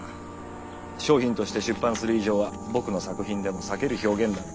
「商品」として出版する以上は僕の作品でも避ける表現だが。